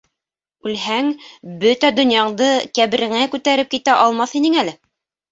Үлһәң, бөтә донъяңды ҡәбереңә күтәреп китә алмаҫ инең әле.